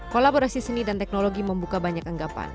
kolaborasi seni dan teknologi membuka banyak anggapan